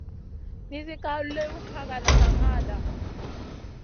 Nizi ka liw hakada ma ŋada.